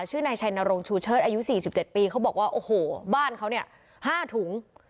ชื่อนายชายนารงชูเชิ้ตอายุสี่สิบเจ็ดปีเขาบอกว่าโอ้โหบ้านเขาเนี้ยห้าถุง